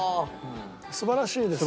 素晴らしいですよ